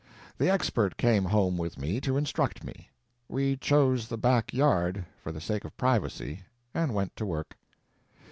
The Expert came home with me to instruct me. We chose the back yard, for the sake of privacy, and went to work.